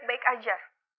gue baik baik aja